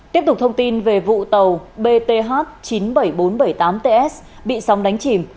tiếp tục thông tin về vụ tàu bth chín mươi bảy nghìn bốn trăm bảy mươi tám ts bị sóng đánh chìm